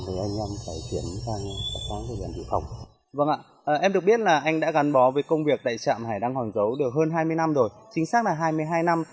vâng ạ em được biết là anh đã gắn bó với công việc tại trạm hải đăng hoàng giấu được hơn hai mươi năm rồi chính xác là hai mươi hai năm